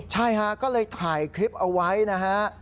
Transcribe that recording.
ใช่ฮะก็เลยถ่ายคลิปเอาไว้นะฮะ